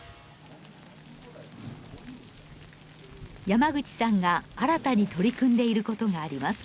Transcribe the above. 山口さんが新たに取り組んでいることがあります。